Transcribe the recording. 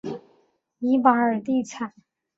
伊玛尔地产。